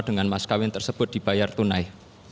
dengan maskawin tersebut dibayar tunai